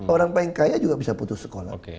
orang paling kaya juga bisa putus sekolah